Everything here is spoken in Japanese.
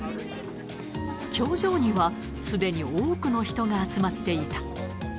頂上にはすでにに多くの人が集まっていた。